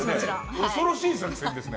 恐ろしい作戦ですね。